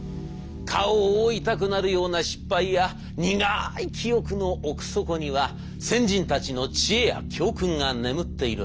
顔を覆いたくなるような失敗や苦い記憶の奥底には先人たちの知恵や教訓が眠っているはず。